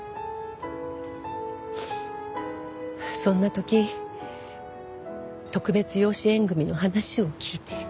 そんな時特別養子縁組の話を聞いて。